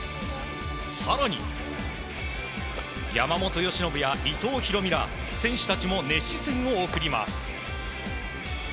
更に山本由伸や伊藤大海ら選手たちも熱視線を送ります。